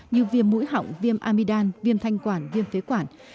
như viêm mũi họng viêm amidam viêm thanh quản viêm phế quản